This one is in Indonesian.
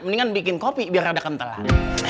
mendingan bikin kopi biar rada kentelan